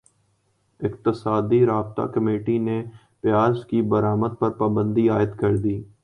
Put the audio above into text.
اقتصادی رابطہ کمیٹی نے پیاز کی برمد پر پابندی عائد کردی